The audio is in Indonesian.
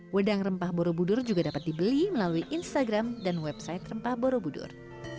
wedang rempah borobudur juga dapat dibeli melalui instagram dan website rempah borobudur